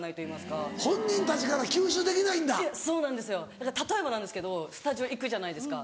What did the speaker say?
だから例えばなんですけどスタジオ行くじゃないですか。